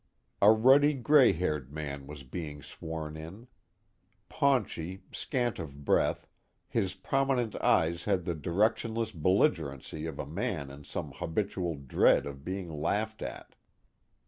A ruddy gray haired man was being sworn in. Paunchy, scant of breath, his prominent eyes had the directionless belligerency of a man in some habitual dread of being laughed at.